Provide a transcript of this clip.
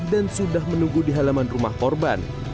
dan sudah menunggu di halaman rumah korban